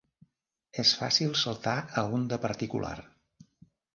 És fàcil saltar a un de particular.